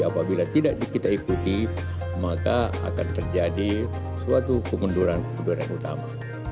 apabila tidak kita ikuti maka akan terjadi suatu kemunduran kemunduran utama